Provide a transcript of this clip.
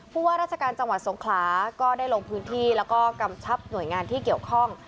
ว่าราชการจังหวัดสงขลาก็ได้ลงพื้นที่แล้วก็กำชับหน่วยงานที่เกี่ยวข้อง